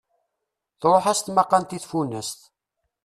Truḥ-as tmaqqant i tfunast.